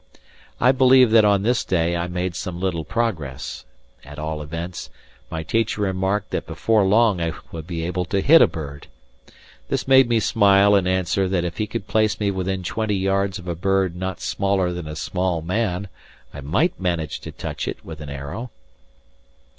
I believe that on this day I made some little progress; at all events, my teacher remarked that before long I would be able to hit a bird. This made me smile and answer that if he could place me within twenty yards of a bird not smaller than a small man I might manage to touch it with an arrow.